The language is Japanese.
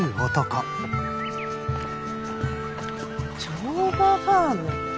乗馬ファーム！